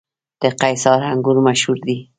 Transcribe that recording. د قیصار انګور مشهور دي